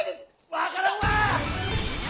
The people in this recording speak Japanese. わからんわ！